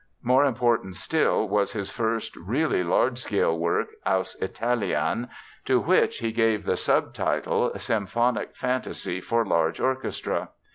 More important still was his first really large scale work, Aus Italien, to which he gave the subtitle Symphonic Fantasy for large Orchestra.